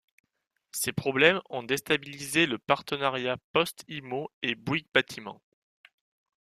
Ces problèmes ont déstabilisé le partenariat Poste Immo et Bouygues Bâtiment.